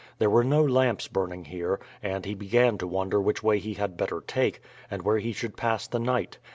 There were no lamps burning here, and he began to wonder which way he had better take, and where he should pass the night.